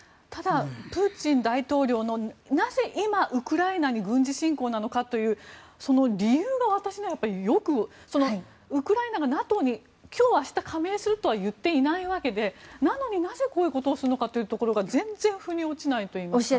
ただ、プーチン大統領のなぜ今、ウクライナに軍事侵攻なのかというその理由が私にはよくウクライナがＮＡＴＯに今日明日、加盟するとは言っていないわけでなのに、なぜこういうことをするのかというところが全然腑に落ちないといいますか。